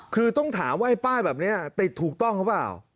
คือต้องถามว่าไอ้ป้ายแบบนี้ติดถูกต้องหรือเปล่า